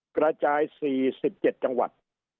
กระจาย๔๗จังหวัด